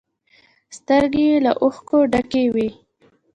سترگې يې له اوښکو ډکې وې.